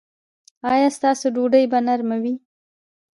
ایا ستاسو ډوډۍ به نرمه وي؟